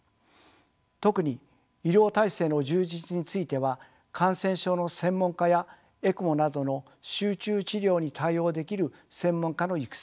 特に医療体制の充実については感染症の専門家やエクモなどの集中治療に対応できる専門家の育成